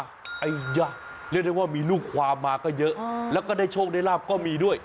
ไอ้ยักษ์เรียกได้ว่ามีลูกความมาก็เยอะแล้วก็ได้โชคได้ลาบก็มีด้วย